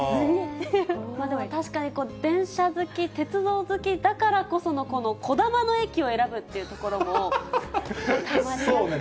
まあでも、確かに電車好き、鉄道好きだからこその、このこだまの駅を選ぶっていうところも。